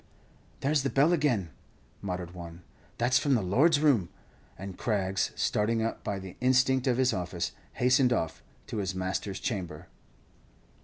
"There's the bell again," muttered one, "that's from the 'lord's room;'" and Craggs, starting up by the instinct of his office, hastened off to his master's chamber.